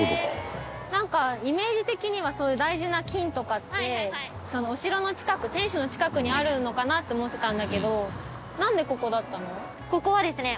なんかイメージ的にはそういう大事な金とかってお城の近く天守の近くにあるのかなって思ってたんだけど。